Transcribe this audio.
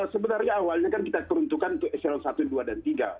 sebenarnya awalnya kan kita peruntukan untuk eselon satu dua dan tiga